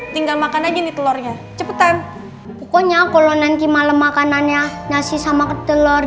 tinggal makan aja nih telurnya cepetan pokoknya kalau nanti malam makanannya nasi sama telur